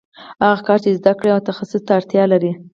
هغه کار چې زده کړې او تخصص ته اړتیا لري